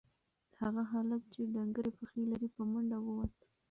هغه هلک چې ډنگرې پښې لري په منډه ووت.